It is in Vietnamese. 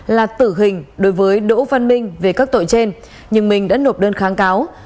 là tử hình đối với đỗ văn minh về các tội trên nhưng minh đã nộp đơn kháng cáo